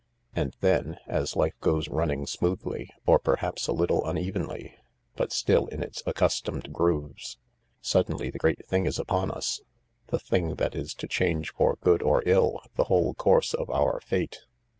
And then, as life goes running smoothly, or perhaps a little unevenly, but still in its accustomed grooves, suddenly the great thing is upon us— the thing that is to change for good or ill the whole course of our Fate.